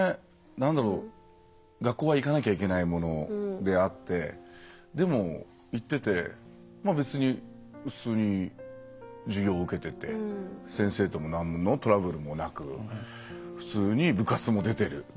なんだろう学校は行かなきゃいけないものであってでも行ってて別に普通に授業を受けてて先生ともなんのトラブルもなく普通に部活も出てる。